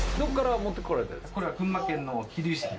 これは群馬県の桐生市です。